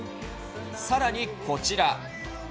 さらにこちら。